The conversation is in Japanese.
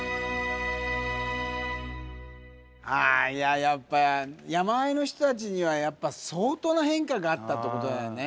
あいややっぱ山あいの人たちにはやっぱ相当な変化があったってことだよね